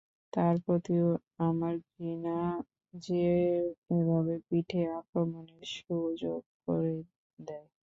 তার প্রতিও আমার ঘৃণা, যে এভাবে পিঠে আক্রমণের সুযোগ করে দেয়।